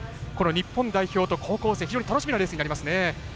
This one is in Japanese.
日本代表と高校生、非常に楽しみなレースになりますね。